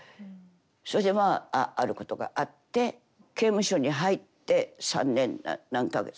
それでまああることがあって刑務所に入って３年何か月。